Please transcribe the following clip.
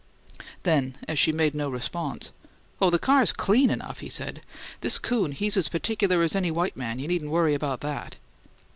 Then as she made no response, "Oh, the car's CLEAN enough," he said. "This coon, he's as particular as any white man; you needn't worry about that."